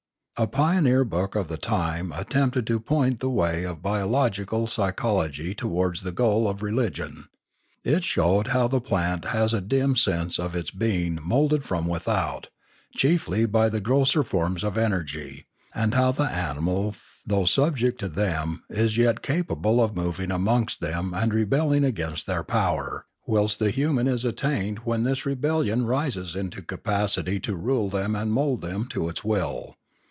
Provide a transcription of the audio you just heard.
A pioneering book of the time attempted to point the way of biological psychology towards the goal of re ligion. It showed how the plant has a dim sense of its being moulded from without, chiefly by the grosser forms of energy; and how the animal though subject to them is yet capable of moving amongst them and re belling against their power; whilst the human is at tained when this rebellion rises into capacity to rule them and mould them to its will.